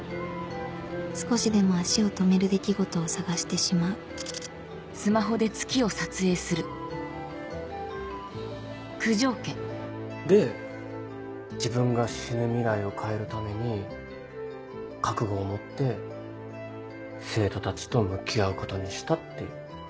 少しでも足を止める出来事を探してしまうで自分が死ぬ未来を変えるために覚悟を持って生徒たちと向き合うことにしたっていう？